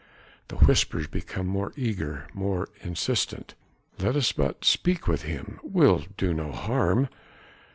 The whispers become more eager, more insistent. "Let us but speak with him. We'll do no harm!"